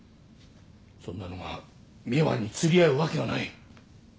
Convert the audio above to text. そんなのが美羽に釣り合うわけがない。